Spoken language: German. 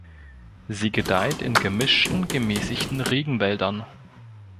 Sie gedeiht in gemischten gemäßigten Regenwäldern.